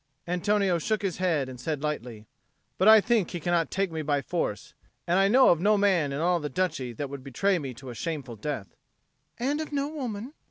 Antonio shook his head and said lightly, "But I think he cannot take me by force, and I know of no man in all the Duchy that would betray me to a shameful death." "And of no woman?"